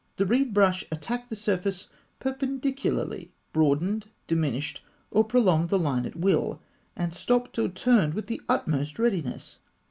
The reed brush attacked the surface perpendicularly; broadened, diminished, or prolonged the line at will; and stopped or turned with the utmost readiness.